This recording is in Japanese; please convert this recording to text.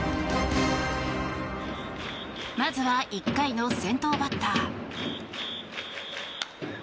まずは１回の先頭バッター。